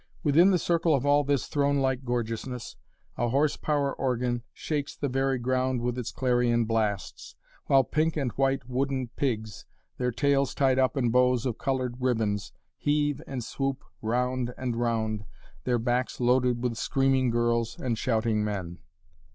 Within the circle of all this throne like gorgeousness, a horse power organ shakes the very ground with its clarion blasts, while pink and white wooden pigs, their tails tied up in bows of colored ribbons, heave and swoop round and round, their backs loaded with screaming girls and shouting men.